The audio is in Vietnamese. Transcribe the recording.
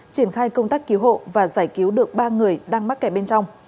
triển khai công tác cứu hộ và giải cứu được ba người đang mắc kẻ bên trong